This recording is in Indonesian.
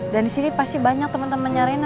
dan disini pasti banyak temen temennya rena